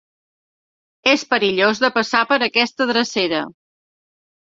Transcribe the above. És perillós de passar per aquesta drecera.